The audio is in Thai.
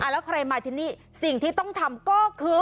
แล้วใครมาที่นี่สิ่งที่ต้องทำก็คือ